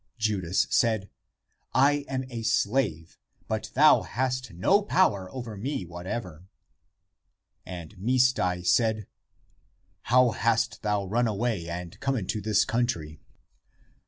Judas said, " I am a slave, but thou hast no power over me whatever." And Misdai said, " How hast thou run away and come to this country?